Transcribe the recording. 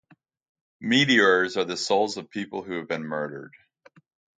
Meteors are the souls of people who have been murdered.